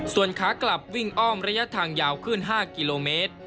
ส่วนขากลับวิ่งอ้อมระยะทางยาวขึ้น๕กิโลเมตร